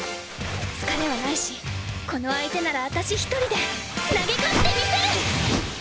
疲れはないしこの相手なら私１人で投げ勝ってみせる！